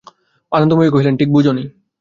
আনন্দময়ী কহিলেন, ঠিক বোঝ নি।